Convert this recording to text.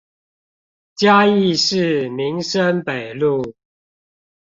嘉義市民生北路